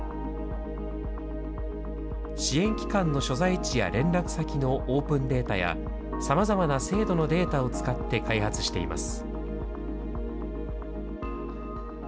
支援機関の所在地や連絡先のオープンデータや、さまざまな制度のデータを使って開発しています。